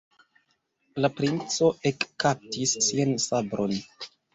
La princo ekkaptis sian sabron.